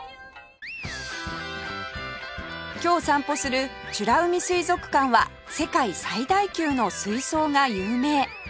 今日散歩する美ら海水族館は世界最大級の水槽が有名